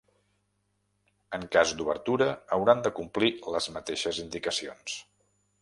En cas d'obertura, hauran de complir les mateixes indicacions.